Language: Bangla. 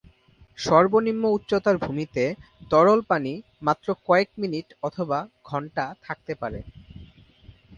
সর্বনিম্ন উচ্চতার ভূমিতে তরল পানি মাত্র কয়েক মিনিট অথবা ঘণ্টা থাকতে পারে।